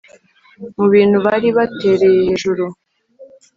Mu bintu bari batereye hejuru